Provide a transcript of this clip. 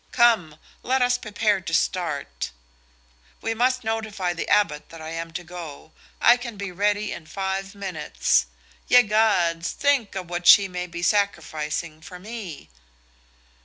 Come! Let us prepare to start. We must notify the Abbot that I am to go. I can be ready in five minutes. Ye Gods, think of what she may be sacrificing for me!"